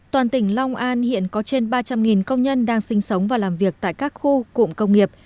toàn tỉnh long an hiện có trên ba trăm linh công nhân đang sinh sống và làm việc tại các khu cụm công nghiệp